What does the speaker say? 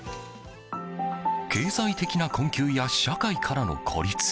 経済的な困窮や社会からの孤立。